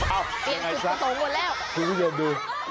เอ้ายังไงสักปริงจุดผสมกว่าแล้วถูกยอมดู